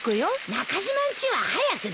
中島んちは早く出たよ。